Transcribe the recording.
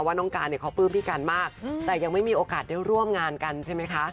น้องการเนี่ยเขาปลื้มพี่กันมากแต่ยังไม่มีโอกาสได้ร่วมงานกันใช่ไหมคะ